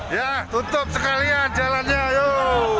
ya tutup sekalian jalannya yuk